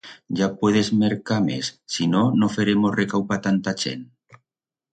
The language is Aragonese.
Ya en puedes mercar mes, si no, no feremos recau pa tanta chent.